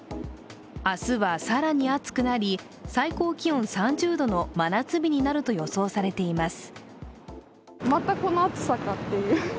明日は更に暑くなり、最高気温３０度の真夏日になると予想されています。